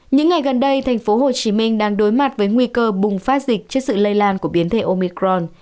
những ngày gần đây tp hcm đang đối mặt với nguy cơ bùng phát dịch trước sự lây lan của biến thể omicron